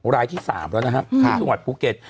รายที่๓แล้วนะครับที่จังหวัดภูเก็ต